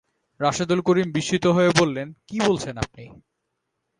রাশেদুল করিম বিস্মিত হয়ে বললেন, কী বলছেন আপনি!